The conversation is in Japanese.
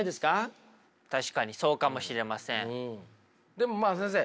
でもまあ先生。